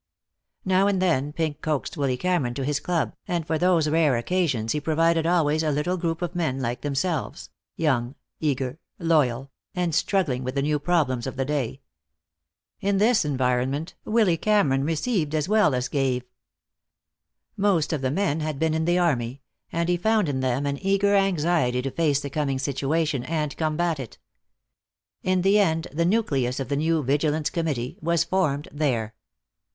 Now and then Pink coaxed Willy Cameron to his club, and for those rare occasions he provided always a little group of men like themselves, young, eager, loyal, and struggling with the new problems of the day. In this environment Willy Cameron received as well as gave. Most of the men had been in the army, and he found in them an eager anxiety to face the coming situation and combat it. In the end the nucleus of the new Vigilance Committee was formed there.